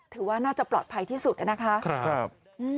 ถือว่าน่าจะปลอดภัยที่สุดนะครับ